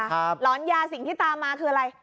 หลอนยาสิ่งที่ตามมาคืออะไร